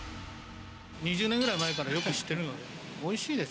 ２０年ぐらい前から、よく知ってるので。